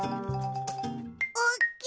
おっきい。